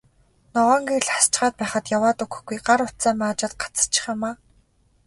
Ногоон гэрэл асчхаад байхад яваад өгөхгүй, гар утсаа маажаад гацчих юм аа.